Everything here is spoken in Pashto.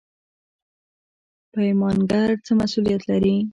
پیمانکار څه مسوولیت لري؟